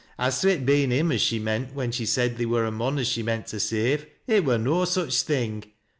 As to it beiii him as she meant when she said theer wur a rcoa as she meant to save, it wur no such thing.